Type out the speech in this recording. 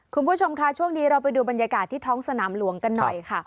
คุณผู้ชมค่ะช่วงนี้เราไปดูบรรยากาศที่ท้องสนามหลวงกันหน่อยค่ะ